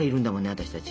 私たち。